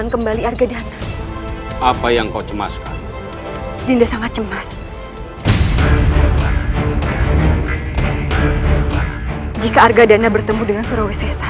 kakak anda tunggu